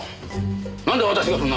なんで私がそんな！